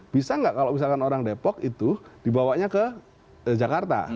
bisa nggak kalau misalkan orang depok itu dibawanya ke jakarta